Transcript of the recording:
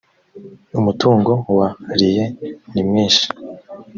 umutungo wa liye nimwishi .